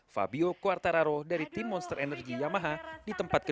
fabio quartararo dari tim monster energy yamaha di tempat ke dua